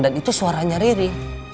dan itu suaranya riri